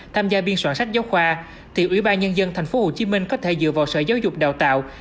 tham gia biên soạn sách giáo khoa thì ủy ban nhân dân tp hcm có thể dựa vào sở giáo dục đào tạo